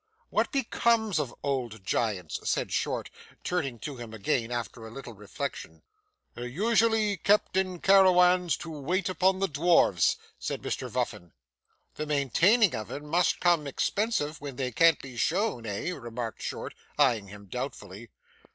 'What becomes of old giants?' said Short, turning to him again after a little reflection. 'They're usually kept in carawans to wait upon the dwarfs,' said Mr Vuffin. 'The maintaining of 'em must come expensive, when they can't be shown, eh?' remarked Short, eyeing him doubtfully.